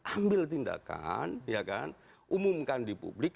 ambil tindakan umumkan di publik